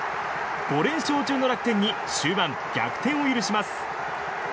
５連勝中の楽天に終盤、逆転を許します。